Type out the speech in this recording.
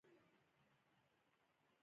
د بل په ښېګڼه زړه سوځي.